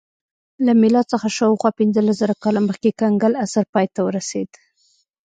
له میلاد څخه شاوخوا پنځلس زره کاله مخکې کنګل عصر پای ته ورسېد